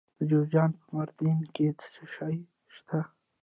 د جوزجان په مردیان کې څه شی شته؟